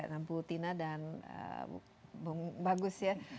ya nampu tina dan bagus ya